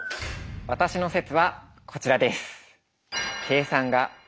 私の説はこちらです！